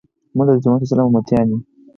موږ د حضرت محمد صلی الله علیه وسلم امتیان یو.